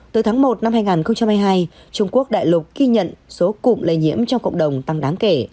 tới tháng một năm hai nghìn hai mươi hai trung quốc đại lục ghi nhận số cụm lây nhiễm trong cộng đồng tăng đáng kể